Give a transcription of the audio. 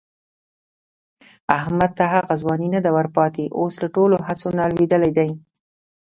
احمد ته هغه ځواني نه ده ورپاتې، اوس له ټولو هڅو نه لوېدلی دی.